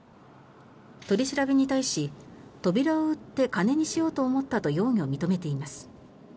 取り調べに対し扉を売って金にしようと思ったと容疑を認めています。